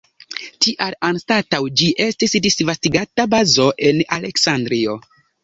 Tial anstataŭ ĝi estis disvastigata bazo en Aleksandrio.